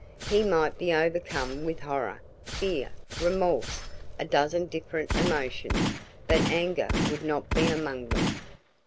He might be overcome with horror, fear, remorse a dozen different emotions, but anger would not be among them.